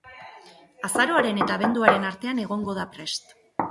Azaroaren eta abenduaren artean egongo da prest.